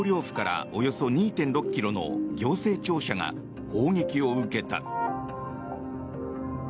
府からおよそ２．６ｋｍの行政庁舎が砲撃を受けた。